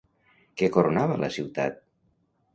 Què coronava la ciutat?